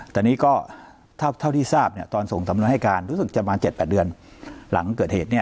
ตอนนี้ก็เท่าที่ทราบตอนส่งสำนวนให้การรู้สึกจะประมาณ๗๘เดือนหลังเกิดเหตุ